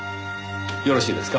よろしいですか？